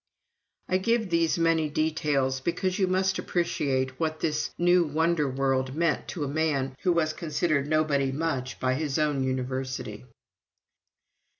I give these many details because you must appreciate what this new wonder world meant to a man who was considered nobody much by his own University.